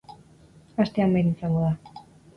Astean behin izango da.